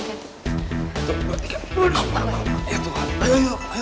what bantu aja ya